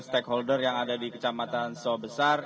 stakeholder yang ada di kecamatan saw besar